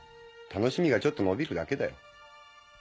楽しみがちょっと延びるだけだよ。